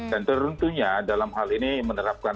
dan teruntunya dalam hal ini menerapkan